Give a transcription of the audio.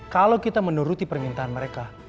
kalau kita menuruti permintaan mereka